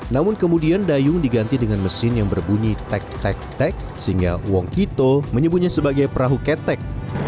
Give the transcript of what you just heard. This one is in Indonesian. namun kemudian dayung diganti dengan mesin yang berbunyi tek tek tek sehingga wong kito menyebutnya sebagai perahu ketek